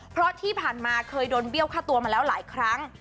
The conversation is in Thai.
เพราะที่ผ่านมาเคยโดนเบี้ยวฆ่าตัวมาแล้วหลายครั้ง